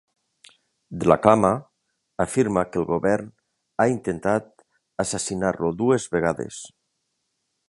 Dhlakama afirma que el govern ha intentat assassinar-lo dues vegades.